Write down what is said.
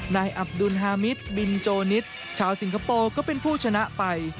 นายอับดุลฮามิตบินโจนิตชาวสิงคโปร์ก็เป็นผู้ชนะไป